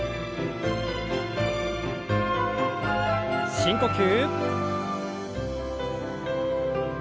深呼吸。